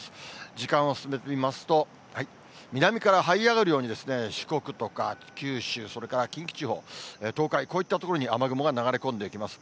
時間を進めてみますと、南からはい上がるように四国とか九州、それから近畿地方、東海、こういった所に雨雲が流れ込んでいきます。